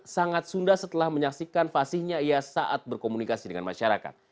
sangat sunda setelah menyaksikan fasihnya ia saat berkomunikasi dengan masyarakat